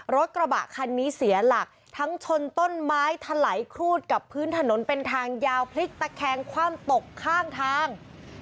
รถกระบะคันนี้เสียหลักทั้งชนต้นไม้ถลายครูดกับพื้นถนนเป็นทางยาวพลิกตะแคงคว่ำตกข้างทาง